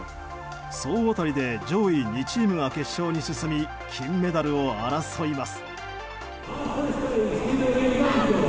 総当たりで上位２チームが決勝に進み金メダルを争います。